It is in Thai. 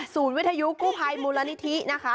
วิทยุกู้ภัยมูลนิธินะคะ